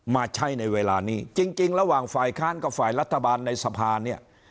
มาใช้ในเวลานี้จริงระหว่างฝ่ายค้านกับฝ่ายรัฐบาลในสภาเนี่ย